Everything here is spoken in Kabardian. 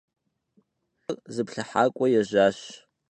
Turistxer zıplhıhak'ue yêjaş.